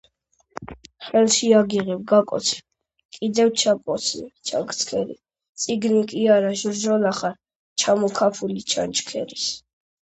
ხელში აგიღებ, გაკოცებ, კიდევ ჩაგკოცნი, ჩაგცქერი; წიგნი კი არა ჟრჟოლა ხარ, ჩამოქაფული ჩანჩქერის.